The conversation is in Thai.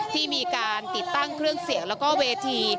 ที่มีการติดตั้งเครื่องเสียงแล้วก็เวที